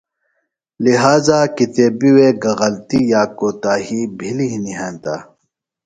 لہٰذا کتیبی وے گہ غلطی یا کوتاہی بھِلی ہِنیۡ ہینتہ،